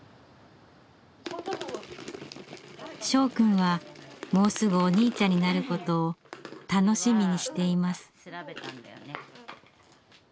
従くんはもうすぐお兄ちゃんになることを楽しみにしています。